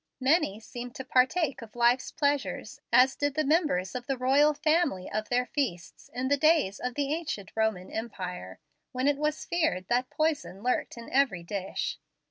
Many seem to partake of life's pleasures as did the members of the royal family of their feasts, in the days of the ancient Roman empire, when it was feared that poison lurked in every dish.